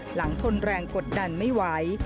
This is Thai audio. ทนแรงกดดันไม่ไหว